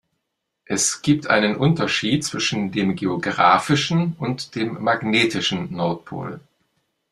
Es gibt einen Unterschied zwischen dem geografischen und dem magnetischen Nordpol.